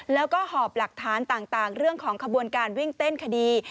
แล้วก็หอบหลักฐานต่างเรื่องของขบวนการวิ่งเต้นคดี